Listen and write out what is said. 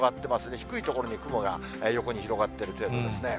低い所で雲が横に広がっている程度ですね。